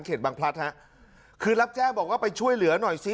บางพลัดฮะคือรับแจ้งบอกว่าไปช่วยเหลือหน่อยซิ